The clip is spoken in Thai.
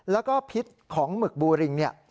แล้วก็พิษของหมึกบูริงเนี่ย